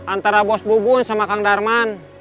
antara bos bubun sama kang darman